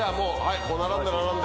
並んで並んで。